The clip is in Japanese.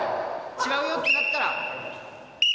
違うよとなったら。